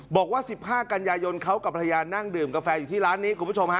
บอกว่า๑๕กัญญายนเขากับพระยานนั่งดื่มกาแฟอยู่ที่ร้านนี้